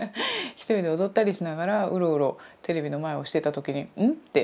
一人で踊ったりしながらウロウロテレビの前をしていた時にうん？って。